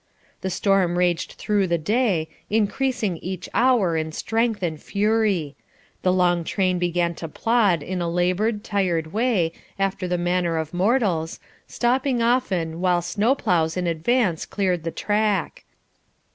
The storm raged through the day, increasing each hour in strength and fury. The long train began to plod in a laboured, tired way, after the manner of mortals, stopping often, while snow ploughs in advance cleared the track.